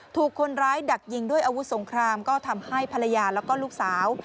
ถูกคนร้ายดักยิงด้วยอาวุธสงครามก็ทำให้ภรรยาแล้วก็ลูกสาว